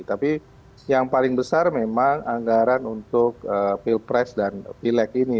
tapi yang paling besar memang anggaran untuk pilpres dan pileg ini